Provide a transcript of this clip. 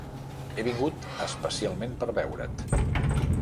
He vingut especialment per veure't.